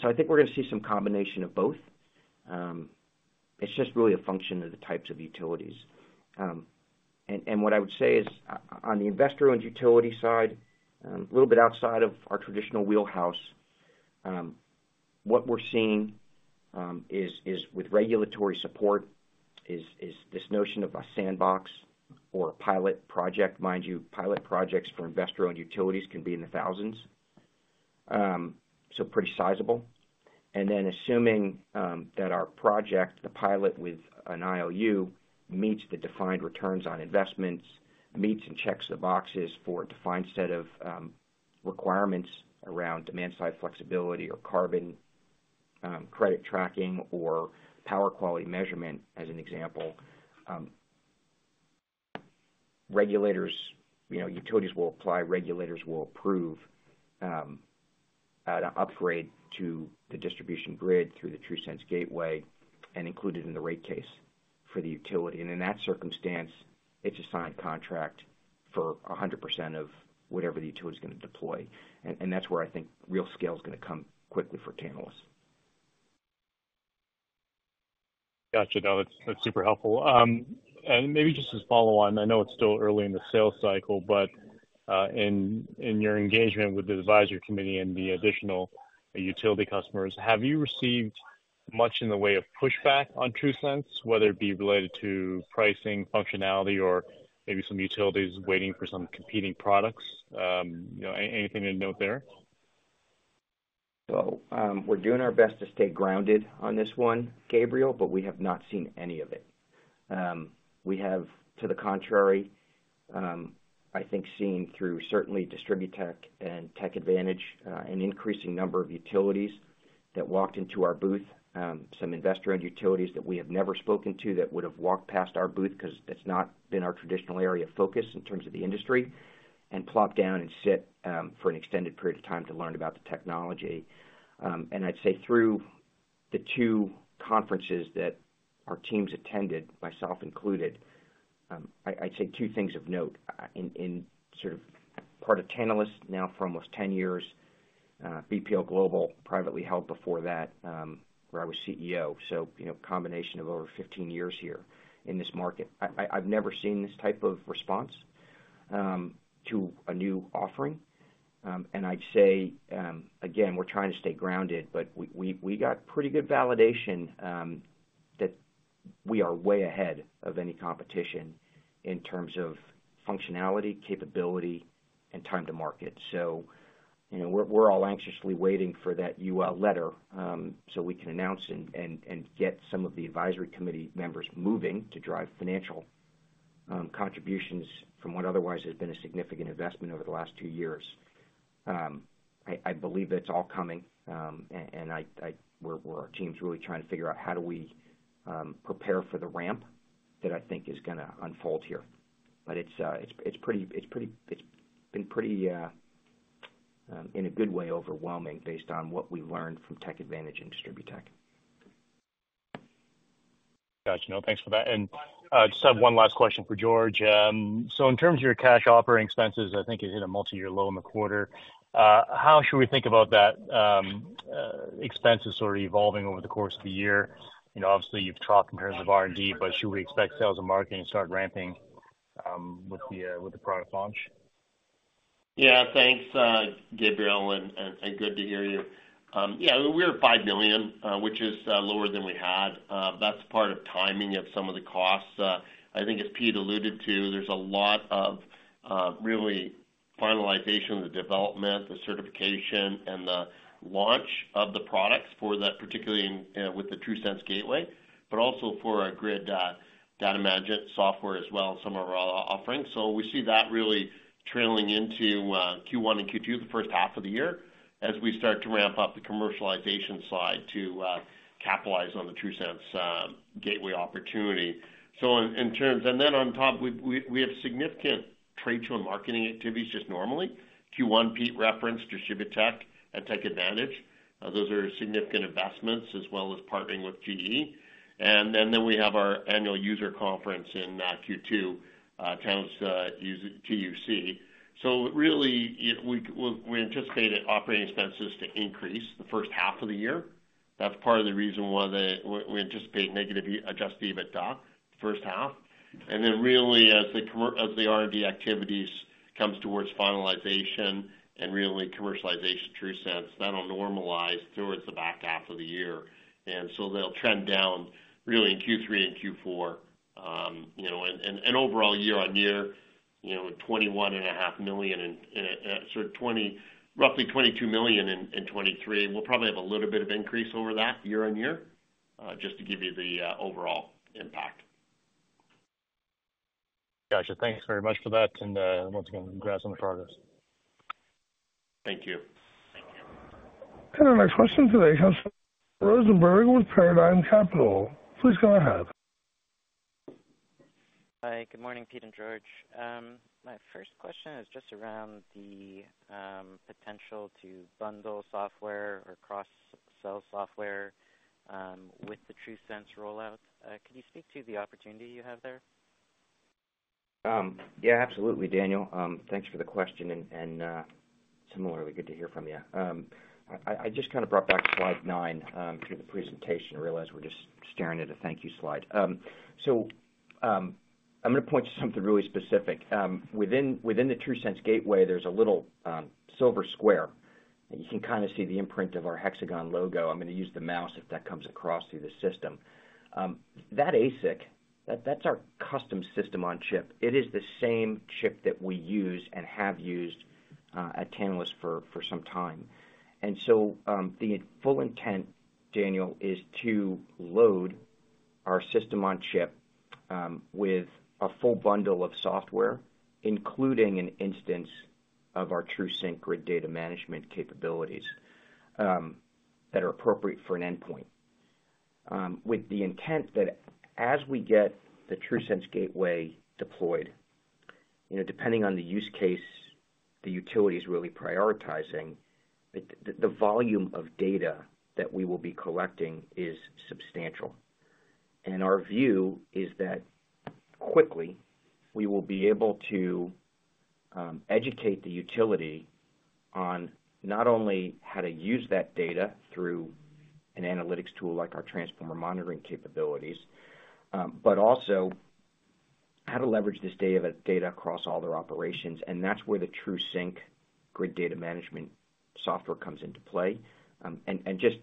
So I think we're gonna see some combination of both. It's just really a function of the types of utilities. And what I would say is, on the investor-owned utility side, a little bit outside of our traditional wheelhouse, what we're seeing is this notion of a sandbox or a pilot project. Mind you, pilot projects for investor-owned utilities can be in the 1,000s, so pretty sizable. And then assuming that our project, the pilot with an IOU, meets the defined returns on investments, meets and checks the boxes for a defined set of requirements around demand-side flexibility or carbon credit tracking or power quality measurement, as an example, regulators, you know, utilities will apply, regulators will approve an upgrade to the distribution grid through the TRUSense Gateway and include it in the rate case for the utility. And in that circumstance, it's a signed contract for 100% of whatever the utility is gonna deploy. And that's where I think real scale is gonna come quickly for Tantalus. Got you. No, that's, that's super helpful. And maybe just as a follow-on, I know it's still early in the sales cycle, but in your engagement with the advisory committee and the additional utility customers, have you received much in the way of pushback on TRUSense, whether it be related to pricing, functionality, or maybe some utilities waiting for some competing products? You know, anything to note there?... So, we're doing our best to stay grounded on this one, Gabriel, but we have not seen any of it. We have, to the contrary, I think seen through certainly DistribuTECH and TechAdvantage, an increasing number of utilities that walked into our booth, some investor-owned utilities that we have never spoken to that would have walked past our booth because that's not been our traditional area of focus in terms of the industry, and plop down and sit, for an extended period of time to learn about the technology. And I'd say through the two conferences that our teams attended, myself included, I, I'd say two things of note. In, in sort of part of Tantalus now for almost 10 years, BPL Global, privately held before that, where I was CEO. So, you know, a combination of over 15 years here in this market. I've never seen this type of response to a new offering. And I'd say, again, we're trying to stay grounded, but we got pretty good validation that we are way ahead of any competition in terms of functionality, capability, and time to market. So, you know, we're all anxiously waiting for that UL letter, so we can announce and get some of the advisory committee members moving to drive financial contributions from what otherwise has been a significant investment over the last two years. I believe that's all coming, and we're, well, our team's really trying to figure out how do we prepare for the ramp that I think is gonna unfold here. But it's pretty in a good way, overwhelming based on what we've learned from Tech Advantage and DistribuTECH. Got you. No, thanks for that. Just have one last question for George. So in terms of your cash operating expenses, I think you hit a multi-year low in the quarter. How should we think about that, expenses sort of evolving over the course of the year? You know, obviously, you've talked in terms of R&D, but should we expect sales and marketing to start ramping, with the, with the product launch? Yeah, thanks, Gabriel, and good to hear you. Yeah, we're at $5 million, which is lower than we had. That's part of timing of some of the costs. I think as Pete alluded to, there's a lot of really finalization, the development, the certification, and the launch of the products for that, particularly in with the TRUSense Gateway, but also for our Grid Data Management software as well, some of our offerings. So we see that really trailing into Q1 and Q2, the first half of the year, as we start to ramp up the commercialization side to capitalize on the TRUSense Gateway opportunity. So in terms... And then on top, we have significant trade show marketing activities just normally. Q1, Pete referenced DistribuTECH and Tech Advantage. Those are significant investments, as well as partnering with GE. And then we have our annual user conference in Q2, the Tantalus Users Conference. So really, we anticipate operating expenses to increase the first half of the year. That's part of the reason why we anticipate negative Adjusted EBITDA first half. And then really, as the R&D activities comes towards finalization and really commercialization TRUSense, that'll normalize towards the back half of the year. And so they'll trend down really in Q3 and Q4. You know, overall, year-on-year, you know, $21.5 million, and sort of roughly $22 million in 2023. We'll probably have a little bit of increase over that year-on-year, just to give you the overall impact. Gotcha. Thanks very much for that. Once again, congrats on the progress. Thank you. Thank you. Our next question today comes from Daniel Rosenberg with Paradigm Capital. Please go ahead. Hi, good morning, Pete and George. My first question is just around the potential to bundle software or cross-sell software with the TRUSense rollout. Could you speak to the opportunity you have there? Yeah, absolutely, Daniel. Thanks for the question, and similarly, good to hear from you. I just kinda brought back to slide 9 through the presentation. I realize we're just staring at a thank you slide. So, I'm gonna point to something really specific. Within the TRUSense Gateway, there's a little silver square, and you can kinda see the imprint of our hexagon logo. I'm gonna use the mouse if that comes across through the system. That ASIC, that's our custom system-on-chip. It is the same chip that we use and have used at Tantalus for some time. So, the full intent, Daniel, is to load our system-on-chip with a full bundle of software, including an instance of our TRUSync grid data management capabilities that are appropriate for an endpoint. With the intent that as we get the TRUSense Gateway deployed, you know, depending on the use case, the utility is really prioritizing the volume of data that we will be collecting is substantial. And our view is that quickly we will be able to educate the utility on not only how to use that data through an analytics tool like our transformer monitoring capabilities, but also how to leverage this data across all their operations, and that's where the TRUSync grid data management software comes into play. And just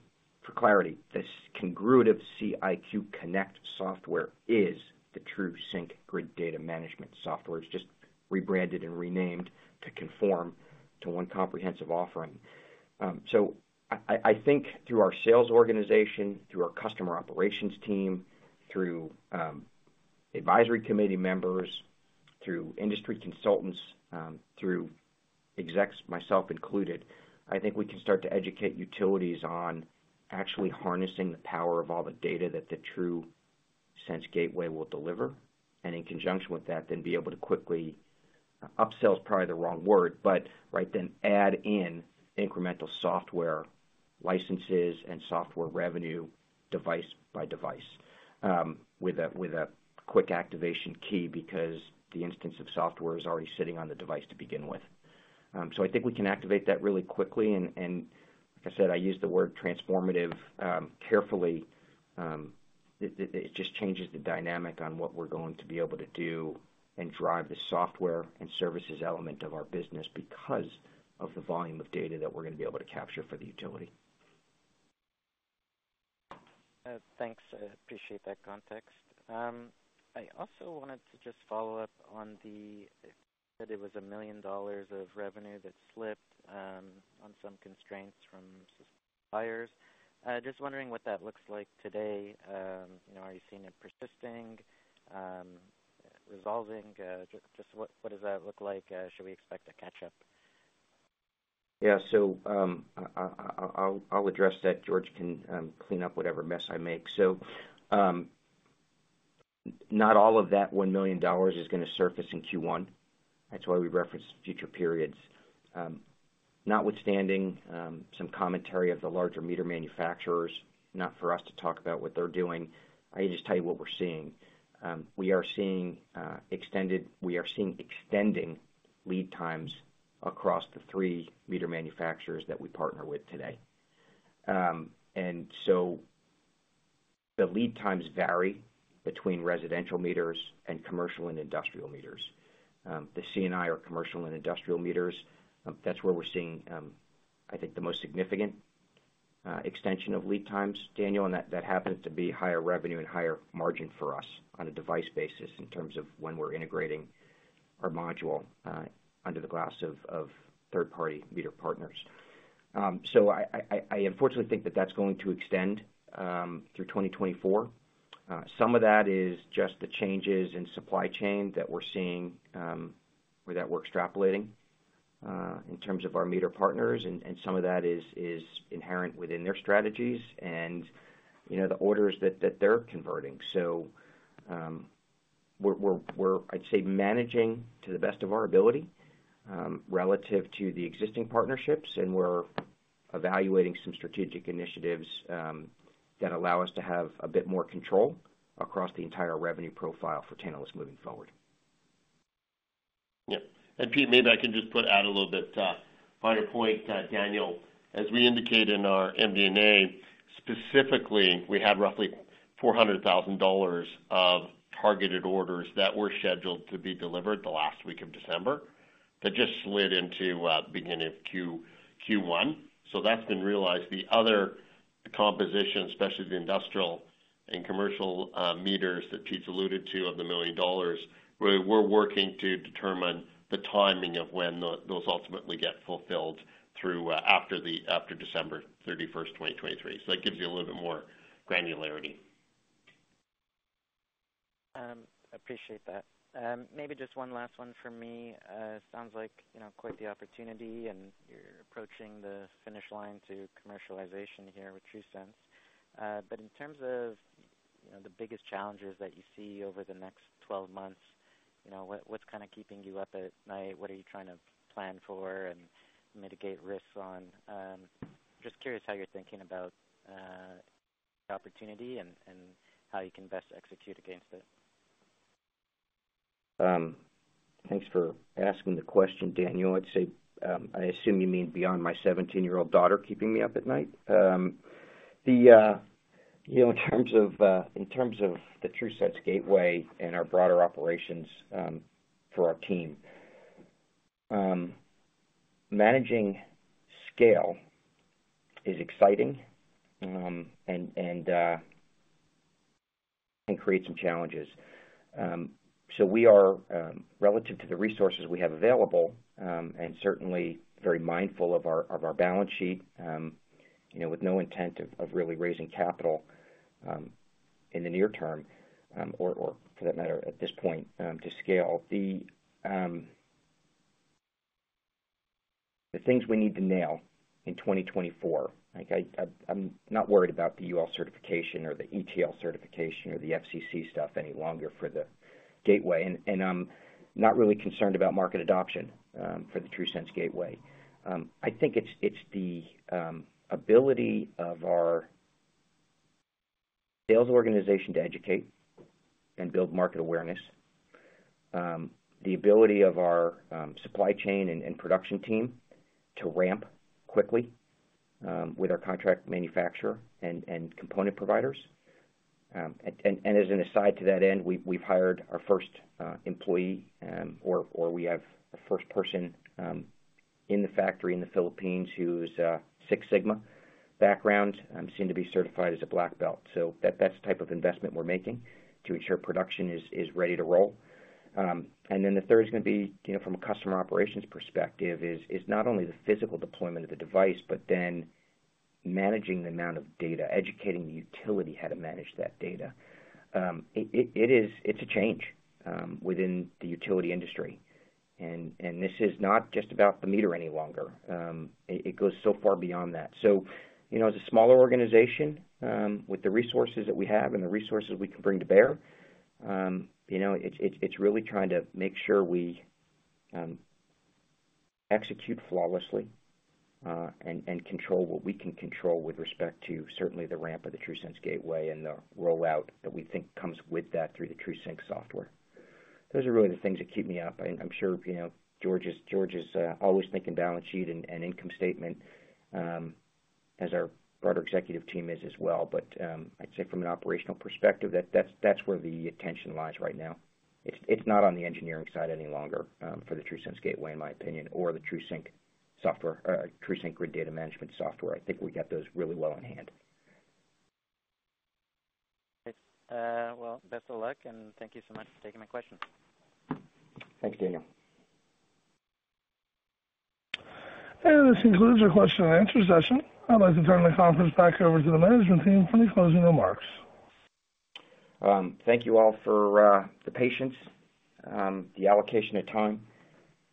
for clarity, this Congruence.IQ Connect software is the TRUSync grid data management software. It's just rebranded and renamed to conform to one comprehensive offering. So I think through our sales organization, through our customer operations team, through advisory committee members, through industry consultants, through execs, myself included, I think we can start to educate utilities on actually harnessing the power of all the data that the TRUSense Gateway will deliver, and in conjunction with that, then be able to quickly, upsell is probably the wrong word, but right, then add in incremental software licenses and software revenue, device by device, with a quick activation key, because the instance of software is already sitting on the device to begin with. So I think we can activate that really quickly, and like I said, I use the word transformative carefully. It just changes the dynamic on what we're going to be able to do and drive the software and services element of our business because of the volume of data that we're going to be able to capture for the utility. Thanks. I appreciate that context. I also wanted to just follow up on that it was $1 million of revenue that slipped on some constraints from suppliers. Just wondering what that looks like today. You know, are you seeing it persisting, resolving? Just, just what, what does that look like? Should we expect a catch-up? Yeah. So, I'll address that. George can clean up whatever mess I make. So, not all of that $1 million is going to surface in Q1. That's why we referenced future periods. Notwithstanding, some commentary of the larger meter manufacturers, not for us to talk about what they're doing, I can just tell you what we're seeing. We are seeing extending lead times across the three meter manufacturers that we partner with today. And so the lead times vary between residential meters and commercial and industrial meters. The C&I or commercial and industrial meters, that's where we're seeing, I think the most significant extension of lead times, Daniel, and that happens to be higher revenue and higher margin for us on a device basis in terms of when we're integrating our module under the glass of third-party meter partners. So I unfortunately think that that's going to extend through 2024. Some of that is just the changes in supply chain that we're seeing or that we're extrapolating in terms of our meter partners, and some of that is inherent within their strategies and, you know, the orders that they're converting. So, we're managing to the best of our ability, relative to the existing partnerships, and we're evaluating some strategic initiatives that allow us to have a bit more control across the entire revenue profile for Tantalus moving forward. Yeah. And, Pete, maybe I can just put out a little bit on your point, Daniel. As we indicated in our MD&A, specifically, we had roughly $400,000 of targeted orders that were scheduled to be delivered the last week of December, that just slid into beginning of Q1. So that's been realized. The other composition, especially the industrial and commercial meters that Pete's alluded to, of the $1 million, we're working to determine the timing of when those ultimately get fulfilled through after December 31st, 2023. So that gives you a little bit more granularity. Appreciate that. Maybe just one last one for me. Sounds like, you know, quite the opportunity, and you're approaching the finish line to commercialization here with TRUSense. But in terms of, you know, the biggest challenges that you see over the next 12 months, you know, what, what's kind of keeping you up at night? What are you trying to plan for and mitigate risks on? Just curious how you're thinking about the opportunity and, and how you can best execute against it? Thanks for asking the question, Daniel. I'd say, I assume you mean beyond my 17-year-old daughter keeping me up at night? You know, in terms of, in terms of the TRUSense Gateway and our broader operations, for our team, managing scale is exciting, and, and, can create some challenges. So we are, relative to the resources we have available, and certainly very mindful of our, of our balance sheet, you know, with no intent of, of really raising capital, in the near term, or, or for that matter, at this point, to scale. The things we need to nail in 2024, like I'm not worried about the UL certification or the ETL certification or the FCC stuff any longer for the gateway, and I'm not really concerned about market adoption for the TRUSense Gateway. I think it's the ability of our sales organization to educate and build market awareness, the ability of our supply chain and production team to ramp quickly with our contract manufacturer and component providers. And as an aside to that end, we've hired our first employee, or we have the first person in the factory in the Philippines, who's a Six Sigma background, soon to be certified as a Black Belt. So that's the type of investment we're making to ensure production is ready to roll. And then the third is gonna be, you know, from a customer operations perspective, not only the physical deployment of the device, but then managing the amount of data, educating the utility how to manage that data. It is... It's a change within the utility industry. And this is not just about the meter any longer, it goes so far beyond that. So, you know, as a smaller organization, with the resources that we have and the resources we can bring to bear, you know, it's really trying to make sure we execute flawlessly, and control what we can control with respect to certainly the ramp of the TRUSense Gateway and the rollout that we think comes with that through the TRUSync software. Those are really the things that keep me up. I'm sure, you know, George is always thinking balance sheet and income statement, as our broader executive team is as well. But, I'd say from an operational perspective, that's where the attention lies right now. It's not on the engineering side any longer, for the TRUSense Gateway, in my opinion, or the TRUSync software, or TRUSync Grid Data Management software. I think we got those really well in hand. Great. Well, best of luck, and thank you so much for taking my question. Thanks, Daniel. This concludes our question and answer session. I'd like to turn the conference back over to the management team for any closing remarks. Thank you all for the patience, the allocation of time,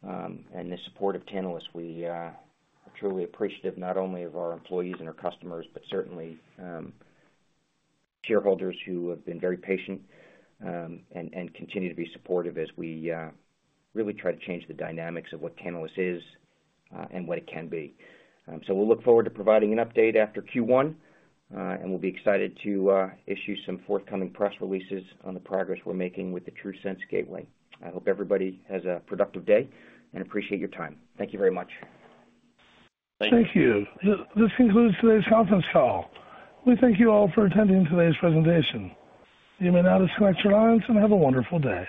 and the support of Tantalus. We are truly appreciative not only of our employees and our customers, but certainly shareholders who have been very patient, and continue to be supportive as we really try to change the dynamics of what Tantalus is, and what it can be. So we'll look forward to providing an update after Q1, and we'll be excited to issue some forthcoming press releases on the progress we're making with the TRUSense Gateway. I hope everybody has a productive day and appreciate your time. Thank you very much. Thank you. This concludes today's conference call. We thank you all for attending today's presentation. You may now disconnect your lines, and have a wonderful day.